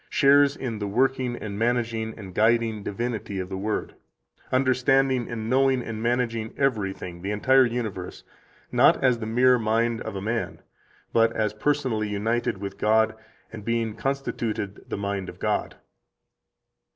shares in the working and managing and guiding divinity of the Word, understanding and knowing and managing everything [the entire universe], not as the mere mind of a man, but as personally united with God and being constituted the mind of God."